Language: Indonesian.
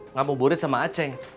ngabuburit sama aceng